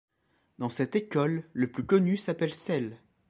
Dans cette école le plus connu s’appelle Cels.